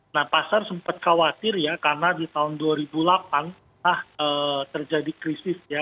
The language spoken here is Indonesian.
nah pasar sempat khawatir ya karena di tahun dua ribu delapan pernah terjadi krisis ya